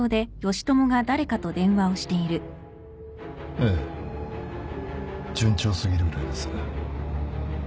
ええ順調すぎるぐらいです。